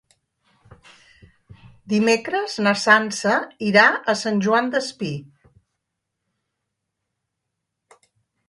Dimecres na Sança irà a Sant Joan Despí.